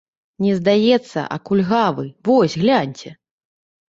Не здаецца, а кульгавы, вось гляньце.